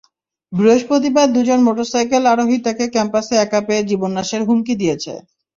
বৃহস্পতিবার দুজন মোটরসাইকেল আরোহী তাঁকে ক্যাম্পাসে একা পেয়ে জীবননাশের হুমকি দিয়েছে।